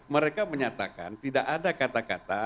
mereka menyatakan tidak ada kata kata